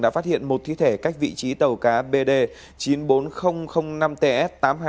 đã phát hiện một thi thể cách vị trí tàu cá bd chín mươi bốn nghìn năm ts